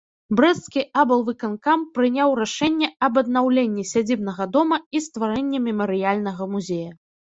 Брэсцкі аблвыканкам прыняў рашэнне аб аднаўленні сядзібнага дома і стварэнні мемарыяльнага музея.